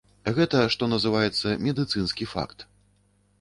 Гэта, што называецца, медыцынскі факт.